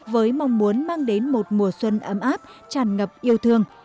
với mong muốn mang đến một mùa xuân ấm áp tràn ngập yêu thương